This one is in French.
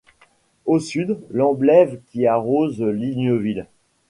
Au sud, l'Amblève qui arrose Ligneuville.